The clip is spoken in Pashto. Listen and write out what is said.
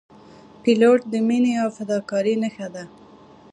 پیلوټ د مینې او فداکارۍ نښه ده.